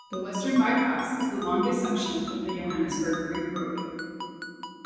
The Western Bypass is the longest section of the Johannesburg Ring Road.